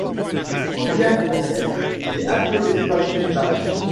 En Guyane Française, il est appelé palmier-bache.